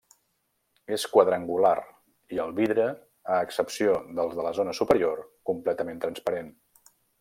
És quadrangular i el vidre, a excepció del de la zona superior, completament transparent.